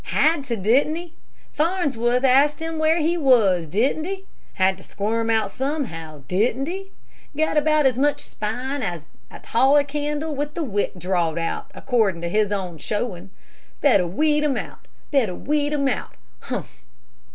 "Had to, didn't he? Farnsworth asked him where he was, didn't he? Had to squirm out somehow, didn't he? Got about as much spine as a taller candle with the wick drawed out, accordin' to his own showin'. Better weed him out, better weed him out! Humph!"